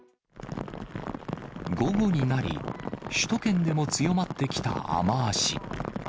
午後になり、首都圏でも強まってきた雨足。